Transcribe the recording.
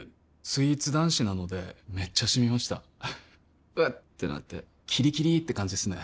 スイーツ男子なのでめっちゃシミました「うっ」ってなってキリキリって感じですね